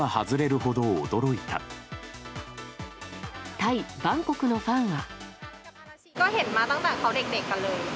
タイ・バンコクのファンは。